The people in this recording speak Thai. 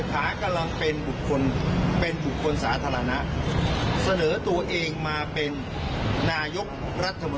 ถ้ามีเหตุผลชะวันที่เศรษฐานหนึ่ม